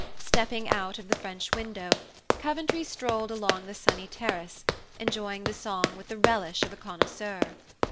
Stepping out of the French window, Coventry strolled along the sunny terrace, enjoying the song with the relish of a connoisseur.